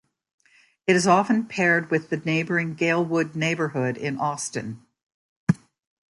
It is often paired with the neighboring Galewood neighborhood in Austin.